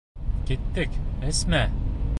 — Киттек, Әсмә!